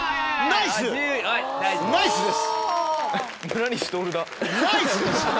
ナイスです！